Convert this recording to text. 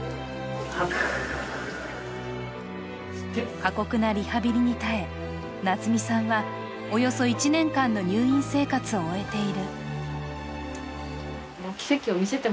過酷なリハビリに耐え、夏美さんはおよそ１年間の入院生活を終えている。